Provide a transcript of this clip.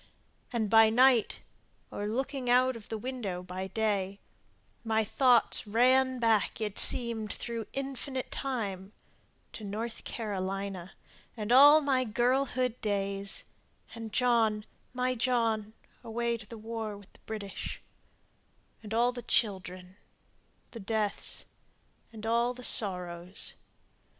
And by night, or looking out of the window by day My thought ran back, it seemed, through infinite time To North Carolina and all my girlhood days, And John, my John, away to the war with the British, And all the children, the deaths, and all the sorrows.